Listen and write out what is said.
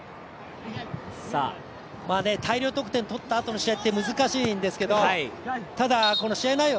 大量得点取ったあとの試合って難しいんですけどただ、この試合内容